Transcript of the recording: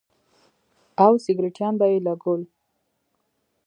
او سگرټيان به يې لگول.